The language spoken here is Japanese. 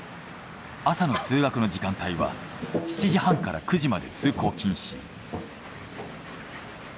朝の通学の時間帯は７時半から９時まで通行禁止。